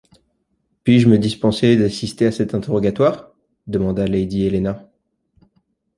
Puis-je me dispenser d’assister à cet interrogatoire? demanda lady Helena.